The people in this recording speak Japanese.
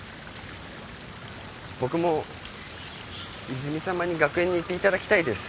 僕も泉さまに学園にいていただきたいです。